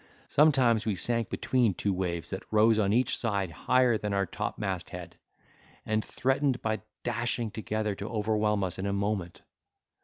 Sometimes we sank between two waves that rose on each side higher than our topmast head, and threatened by dashing together to overwhelm us in a moment!